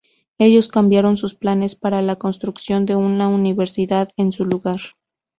Ellos cambiaron sus planes para la construcción de una universidad en su lugar.